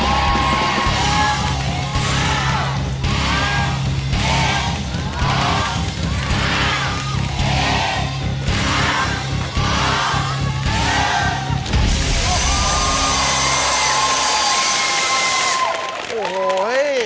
โอ้โฮเฮ้ย